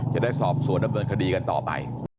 จะได้สอบสวนดำเนินคดีกันต่อไป